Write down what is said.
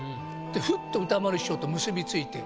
ふっと歌丸師匠と結びついて。